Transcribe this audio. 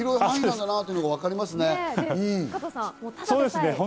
そうですね。